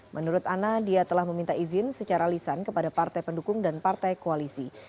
menurut ana dia telah meminta izin secara lisan kepada partai pendukung dan partai koalisi